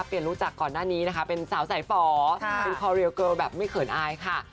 รู้จักก่อนหน้านี้นะคะเป็นสาวสายฝ่อเป็นคอเรียลเกิลแบบไม่เขินอายค่ะ